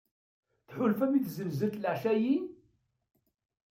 Tḥulfam i tzenzelt leɛca-ayyi?